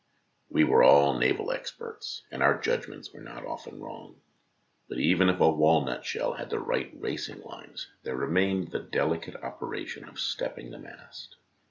We were all naval experts and our judgments were not often wrong. But even if a walnut shell had the right racing lines, there remained the delicate operation of stepping the mast.